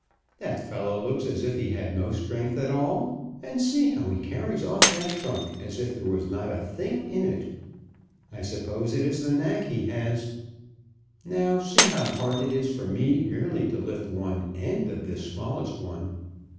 "That fellow looks as if he had no strength at all, and see how he carries off that trunk as if there was not a thing in it. I suppose it is a knack he has. Now, see how hard it is for me merely to lift one end of this smallest one."